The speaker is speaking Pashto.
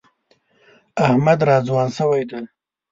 احمد را ځوان شوی دی.